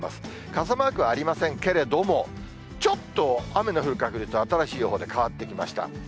傘マークはありませんけれども、ちょっと雨の降る確率、新しい予報で変わってきました。